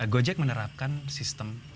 gojek menerapkan sistem